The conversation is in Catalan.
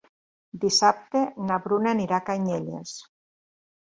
Dissabte na Bruna anirà a Canyelles.